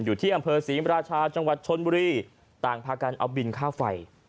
อยู่ที่อำเภอศรีมราชาจังหวัดชนบุรีต่างพากันเอาบินค่าไฟ